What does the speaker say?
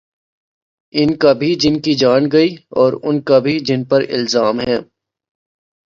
ان کا بھی جن کی جان گئی اوران کا بھی جن پر الزام ہے۔